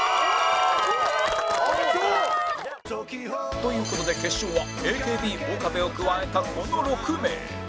という事で決勝は ＡＫＢ 岡部を加えたこの６名